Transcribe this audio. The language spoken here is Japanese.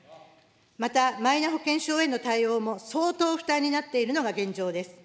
また、マイナ保険証への対応も相当負担になっているのが現状です。